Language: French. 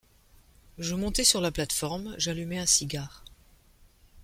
Je montai sur la plate-forme, j’allumai un cigare